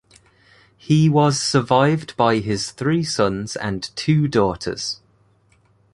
He was survived by his three sons and two daughters.